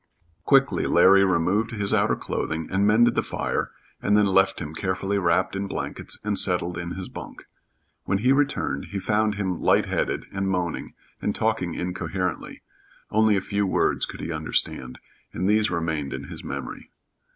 Quickly Larry removed his outer clothing and mended the fire and then left him carefully wrapped in blankets and settled in his bunk. When he returned, he found him light headed and moaning and talking incoherently. Only a few words could he understand, and these remained in his memory.